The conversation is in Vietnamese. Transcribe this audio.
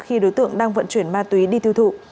khi đối tượng đang vận chuyển ma túy đi tiêu thụ